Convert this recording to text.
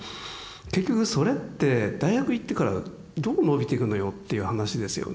結局それって大学行ってからどう伸びていくのよっていう話ですよね。